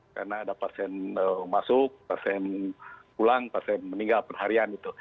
karena ada pasien masuk pasien pulang pasien meninggal perharian